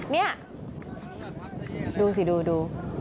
นี่ดูสิดู